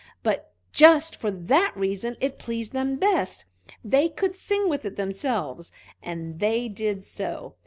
But just for that reason it pleased them best they could sing with it themselves, and they did so.